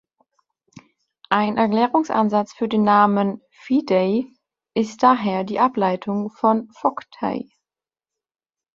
Ein Erklärungsansatz für den Namen „Fidei“ ist daher die Ableitung von „Vogtei“.